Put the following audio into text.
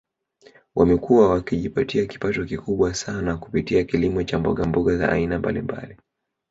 Wamekuwa wakijipatia kipato kikubwa sana kupitia kilimo cha mbogmboga za aina mbalimbali